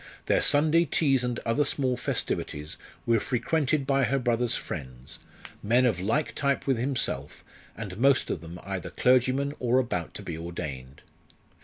Their Sunday teas and other small festivities were frequented by her brother's friends, men of like type with himself, and most of them either clergymen or about to be ordained.